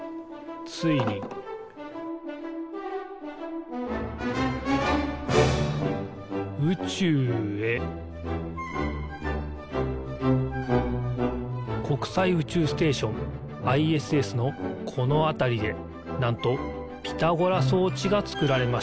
ついに宇宙へ国際宇宙ステーションＩＳＳのこのあたりでなんとピタゴラそうちがつくられました。